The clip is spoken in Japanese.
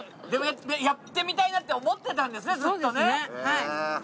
でもやってみたいなって思ってたんですねずっとね。